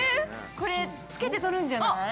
◆これつけて撮るんじゃない？